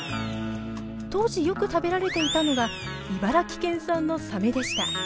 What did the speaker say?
当時よく食べられていたのが茨城県産のサメでした。